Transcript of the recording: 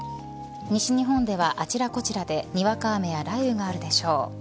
西日本では、あちらこちらでにわか雨や雷雨があるでしょう。